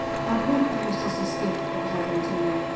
"Of what use is this gift of Heaven to me?"